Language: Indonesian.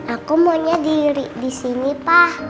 aku maunya diri di sini pak